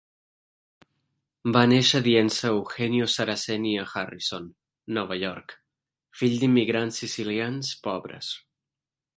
Va néixer dient-se Eugenio Saraceni a Harrison, Nova York, fill d'immigrants sicilians pobres.